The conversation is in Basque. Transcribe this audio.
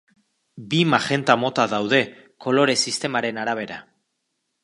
Bi magenta mota daude, kolore sistemaren arabera.